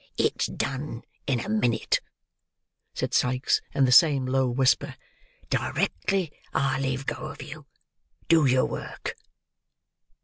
"It's done in a minute," said Sikes, in the same low whisper. "Directly I leave go of you, do your work.